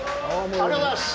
ありがとうございます。